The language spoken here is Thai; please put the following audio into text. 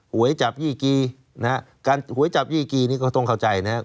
หวยจับยี่กีนะฮะการหวยจับยี่กีนี่ก็ต้องเข้าใจนะครับ